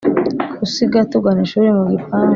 usiga tuganishuri mu gipangu